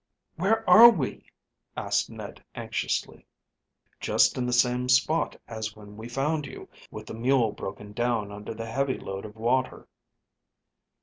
"Where are we?" asked Ned anxiously. "Just in the same spot as when we found you, with the mule broken down under the heavy load of water."